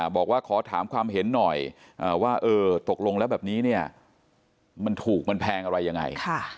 บอกว่าขอถามความเห็นหน่อยว่าเออตกลงแล้วแบบนี้เนี่ยมันถูกมันแพงอะไรยังไง